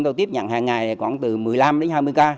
giao tiếp nhận hàng ngày khoảng từ một mươi năm đến hai mươi ca